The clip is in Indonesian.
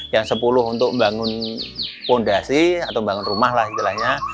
yang sepuluh untuk membangun fondasi atau bangun rumah lah istilahnya